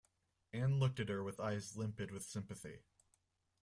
Anne looked at her with eyes limpid with sympathy.